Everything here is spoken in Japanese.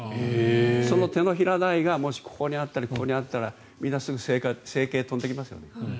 その手のひら大がもしここにあったりここにあったら皆さん、すぐ整形に飛んでいきますよね。